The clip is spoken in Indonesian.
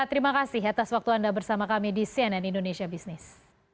terima kasih atas waktu anda bersama kami di cnn indonesia business